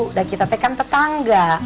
udah kita kan tetangga